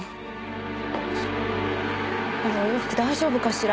あらお洋服大丈夫かしら。